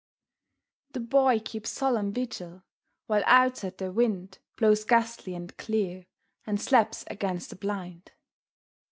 The Boy keeps solemn vigil, while outside the wind Blows gustily and clear, and slaps against the blind.